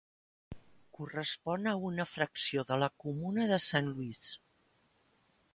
Correspon a una fracció de la comuna de Saint-Louis.